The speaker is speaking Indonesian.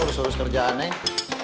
urus urus kerjaan neng